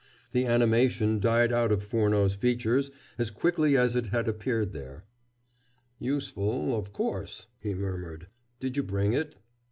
The animation died out of Furneaux's features as quickly as it had appeared there. "Useful, of course" he murmured. "Did you bring it?"